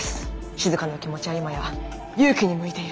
しずかの気持ちは今や祐樹に向いていると。